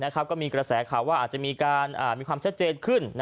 ก็มีกระแสข่าวว่าอาจจะมีความชัดเจนขึ้น